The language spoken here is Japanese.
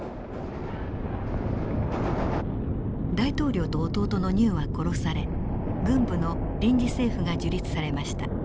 大統領と弟のニューは殺され軍部の臨時政府が樹立されました。